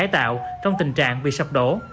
trong tình trạng bị sập đổ